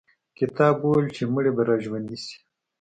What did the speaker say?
کتاب وویل چې مړي به را ژوندي شي.